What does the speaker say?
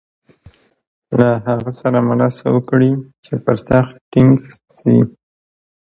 له هغه سره مرسته وکړي چې پر تخت ټینګ شي.